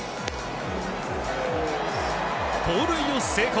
盗塁を成功！